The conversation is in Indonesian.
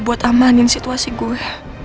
buat amanin situasi gue